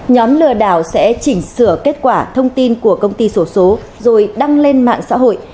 nhóm lừa đảo sẽ chỉnh sửa kết quả thông tin của công ty sổ số rồi đăng lên mạng xã hội